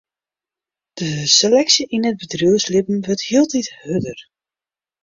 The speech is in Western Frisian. De seleksje yn it bedriuwslibben wurdt hieltyd hurder.